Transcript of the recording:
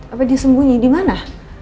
apa dia sembunyi di mana